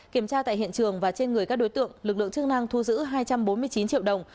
kiểm tra tại hiện trường và trên người các đối tượng lực lượng chức năng thu giữ hai trăm bốn mươi chín triệu đồng